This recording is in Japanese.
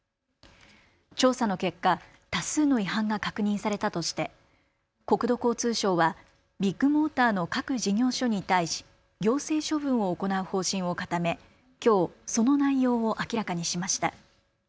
調査の結果、多数の違反が確認されたとして国土交通省はビッグモーターの各事業所に対し行政処分を行う方針を固めきょうその内容を明らかにしました。